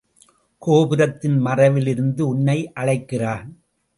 கோபுரத்தின் மறைவிலிருந்து உன்னை அழைக்கிறான்.